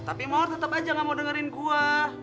tapi mawar tetep aja gak mau dengerin gue